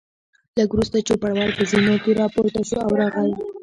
لږ وروسته چوپړوال په زینو کې راپورته شو او راغی.